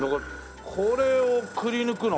これをくりぬくの？